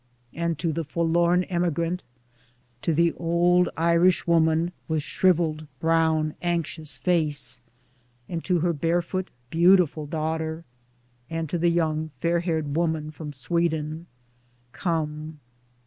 And to the forlorn emigrant, to the old Irish woman with shriveled brown anxious face, and to her barefoot beautiful daughter, and to the young fair haired woman from Sweden : Come